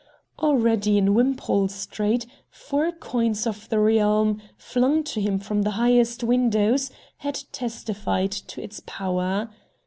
Already in Wimpole Street four coins of the realm, flung to him from the highest windows, had testified to its power.